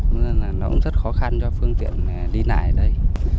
nó cũng rất khó khăn cho phương tiện đi lại ở đây